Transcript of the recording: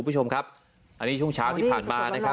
คุณผู้ชมครับอันนี้ช่วงเช้าที่ผ่านมานะครับ